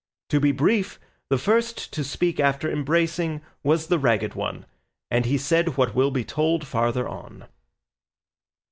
To be brief, the first to speak after embracing was the Ragged One, and he said what will be told farther on.